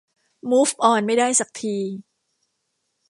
มูฟออนไม่ได้สักที